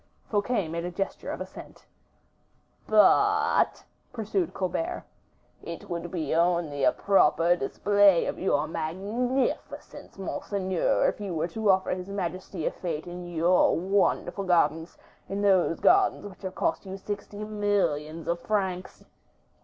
Fouquet made a gesture of assent. "But," pursued Colbert, "it would be only a proper display of your magnificence, monseigneur, if you were to offer to his majesty a fete in your wonderful gardens in those gardens which have cost you sixty millions of francs."